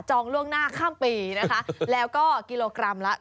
ล่วงหน้าข้ามปีนะคะแล้วก็กิโลกรัมละ